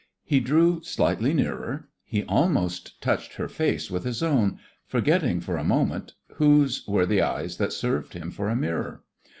He drew slightly nearer. He almost touched her face with his own, forgetting for a moment whose were the eyes that served him for a mirror.